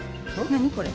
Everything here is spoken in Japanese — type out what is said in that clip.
何これ？